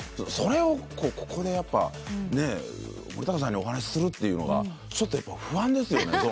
それをここで森高さんにお話しするっていうのがちょっと不安ですよね。